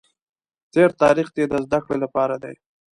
تېر تاریخ دې د زده کړې لپاره دی.